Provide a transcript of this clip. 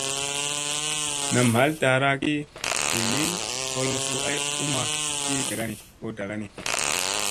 Nam ɦal taara ki ɦilini, holoŋ suu ay ummaki dagani ngoo daga ni.